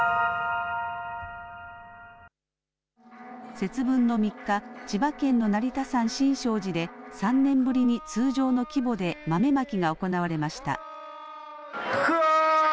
節分の３日、千葉県の成田山新勝寺で３年ぶりに通常の規模で豆まきが行われました。